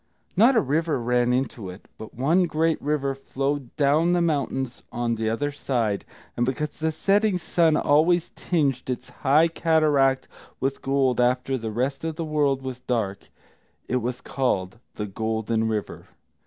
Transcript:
Not a river ran into it, but one great river flowed down the mountains on the other side, and because the setting sun always tinged its high cataract with gold after the rest of the world was dark, it was called the Golden River.